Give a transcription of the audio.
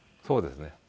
そうですね。